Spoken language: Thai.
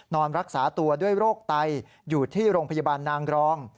นอนรักษาตัวด้วยโรคไตอยู่ที่โรงพยาบาลนางรอง